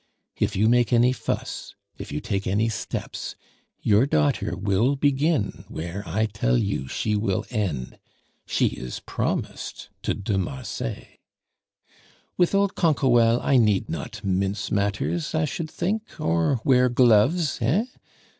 If you make any fuss, if you take any steps, your daughter will begin where I tell you she will end she is promised to de Marsay. "With old Canquoelle I need not mince matters, I should think, or wear gloves, heh?